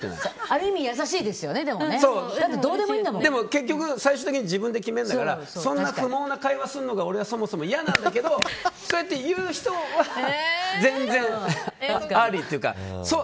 結局、最終的に自分で決めるんだからそんな不毛な会話をするのが俺はそもそもいやなんだけどそうやって言う人は全然ありというか。